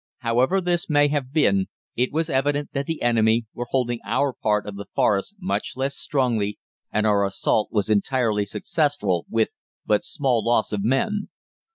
However this may have been, it was evident that the enemy were holding our part of the Forest much less strongly and our assault was entirely successful, with but small loss of men.